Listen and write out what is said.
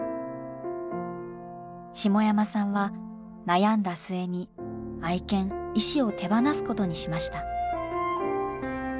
下山さんは悩んだ末に愛犬石を手放すことにしました。